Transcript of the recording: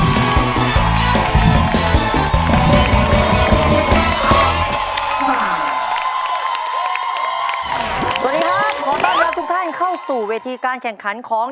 สวัสดีครับขอต้อนรับทุกท่านเข้าสู่เวทีการแข่งขันของ